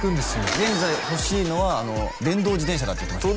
現在ほしいのは電動自転車だって言ってました